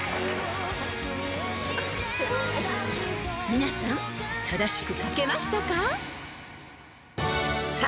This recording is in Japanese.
［皆さん正しく書けましたか？］